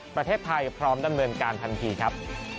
ประเทศไทยพร้อมดำเนินการทันทีครับ